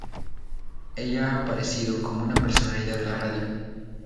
Ella ha aparecido como una personalidad de la radio.